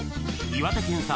岩手県産